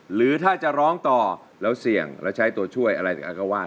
หรือถ้าจะร้องต่อแล้วเสี่ยงแล้วใช้ตัวช่วยอะไรก็ว่า